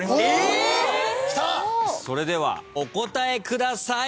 それではお答えください。